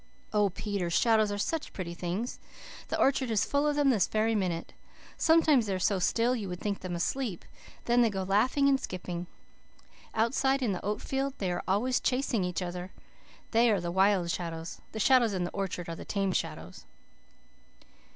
"Oh, Peter, shadows are such pretty things. The orchard is full of them this very minute. Sometimes they are so still you would think them asleep. Then they go laughing and skipping. Outside, in the oat field, they are always chasing each other. They are the wild shadows. The shadows in the orchard are the tame shadows.